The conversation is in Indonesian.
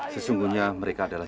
sesungguhnya mereka adalah